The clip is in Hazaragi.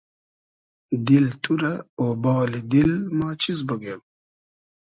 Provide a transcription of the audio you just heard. دیل تو رۂ اۉبالی دیل ما چیز بوگیم